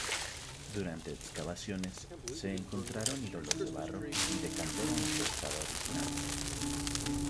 Durante excavaciones, se encontraron ídolos de barro y de cantera en su estado original.